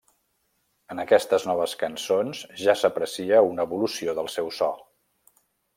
En aquestes noves cançons ja s'aprecia una evolució del seu so.